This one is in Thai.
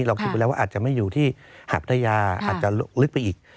เราคิดไปแล้วว่าอาจจะไม่อยู่ที่หาดทะยาอาจจะลึกไปอีก